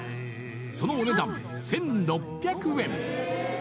そのお値段１６００円。